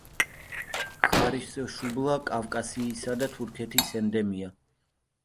ხარისშუბლა კავკასიისა და თურქეთის ენდემია.